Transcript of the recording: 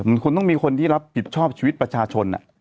มันควรต้องมีคนที่รับผิดชอบชีวิตประชาชน